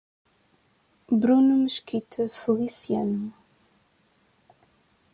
Bruno Mesquita Feliciano